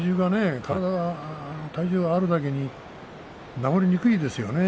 体重があるだけに治りにくいですよね